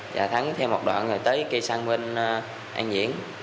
và thắng theo một đoạn rồi tới kia sang bên an viễn